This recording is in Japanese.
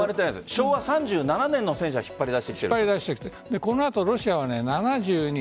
昭和３７年の戦車を引っ張り出して。